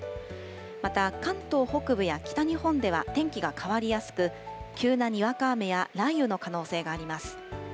また関東北部や北日本では天気が変わりやすく、急なにわか雨や雷雨の可能性があります。